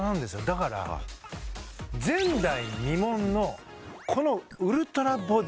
だから前代未聞のこのウルトラボディ。